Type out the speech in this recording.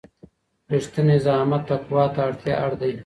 رښتينی زعامت تقوی ته اړ دی.